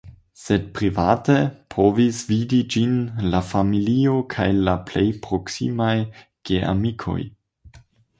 Sed private povis vidi ĝin la familio kaj la plej proksimaj geamikoj.